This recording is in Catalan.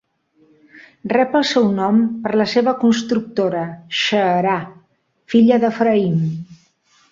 Rep el seu nom per la seva constructora, Xeerà, filla d'Efraïm.